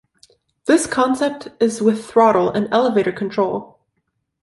This concept is with throttle and elevator control.